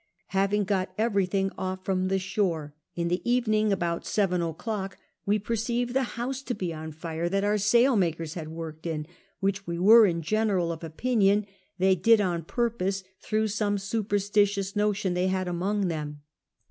Having got everything off from the shore, in the evening about seven o'clock Ave perceived the house to be on fire that our ssiilmakers had Avorked in, which we were in general of opinion they did on purpose through some superstitious notion they had among them.